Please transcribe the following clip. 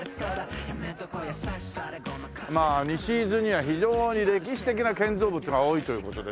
まあ西伊豆には非常に歴史的な建造物が多いという事でね